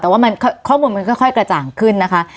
แต่ว่าข้อมูลมันค่อยกระจ่างขึ้นนะคะ